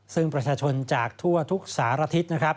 ซึ่งประชาชนจากทั่วทุกสารทิศนะครับ